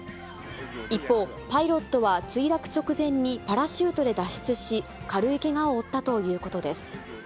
一方、パイロットは墜落直前にパラシュートで脱出し、軽いけがを負ったということです。